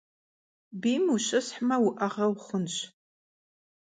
Biym vuşıshme vu'ege vuxhunş.